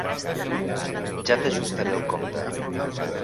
Ja t'ajustaré el compte.